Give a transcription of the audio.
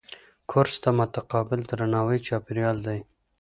کورس د متقابل درناوي چاپېریال دی.